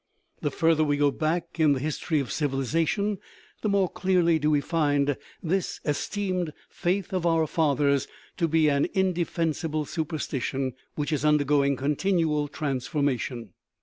The further we go back in the history of civilization, the more clearly do we find this esteemed " faith of our fathers " to be an indefen sible superstition which is undergoing continual trans formation.